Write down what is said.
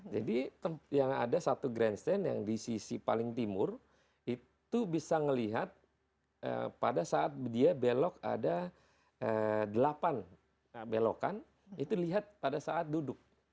jadi yang ada satu grand stand yang di sisi paling timur itu bisa ngelihat pada saat dia belok ada delapan belokan itu lihat pada saat duduk